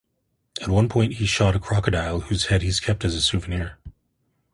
At one point, he shot a crocodile, whose head he kept as a souvenir.